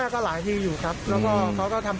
กลับมา